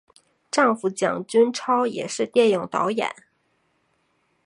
丈夫蒋君超也是电影导演。